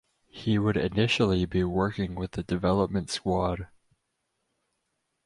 He would initially be working with the development squad.